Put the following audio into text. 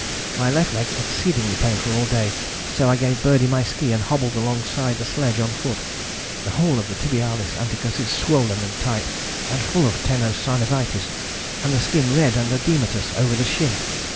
"My left leg exceedingly painful all day, so I gave Birdie my ski and hobbled alongside the sledge on foot. The whole of the Tibialis anticus is swollen and tight, and full of teno synovitis, and the skin red and oedematous over the shin.